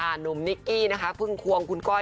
หนุ่มนิกกี้นะคะเพิ่งควงคุณก้อย